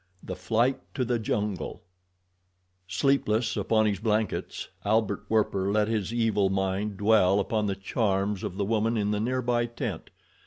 The Flight to the Jungle Sleepless upon his blankets, Albert Werper let his evil mind dwell upon the charms of the woman in the nearby tent.